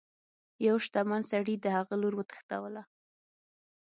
یوه شتمن سړي د هغه لور وتښتوله.